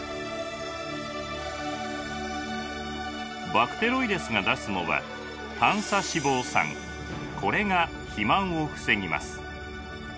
バクテロイデスが出すのはこれが肥満を防ぎます。